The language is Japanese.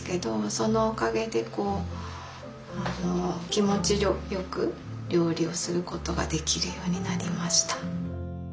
そのおかげでこう気持ちよく料理をすることができるようになりました。